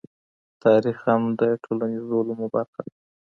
تاريخ هم د ټولنيزو علومو برخه ده.